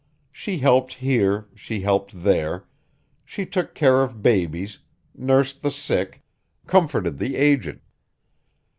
She helped here, she helped there; she took care of babies, nursed the sick, comforted the aged.